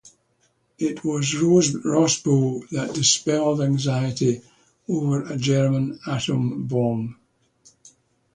It was Rosbaud that dispelled anxiety over a "German atom bomb".